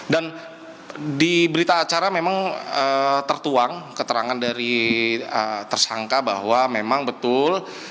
dan di berita acara memang tertuang keterangan dari tersangka bahwa memang betul